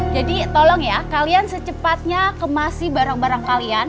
jadi tolong ya kalian secepatnya kemasi barang barang kalian